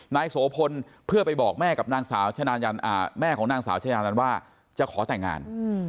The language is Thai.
นายโสพลเพื่อไปบอกแม่ของนางสาวชายานันว่าจะขอแต่งงาน